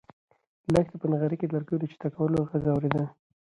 لښتې په نغري کې د لرګیو د چټکولو غږ اورېده.